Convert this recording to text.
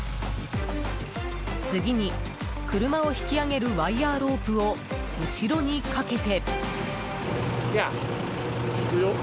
次に、車を引き上げるワイヤロープを後ろにかけて。